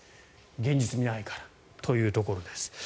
現実味がないからというところです。